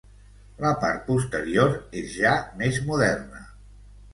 La part posterior és ja més moderna.